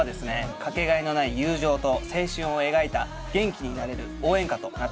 かけがえのない友情と青春を描いた元気になれる応援歌となっております。